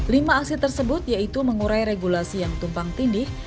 lima aksi tersebut yaitu mengurai regulasi yang tumpang tindih